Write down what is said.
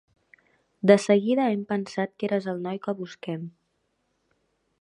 De seguida hem pensat que eres el noi que busquem.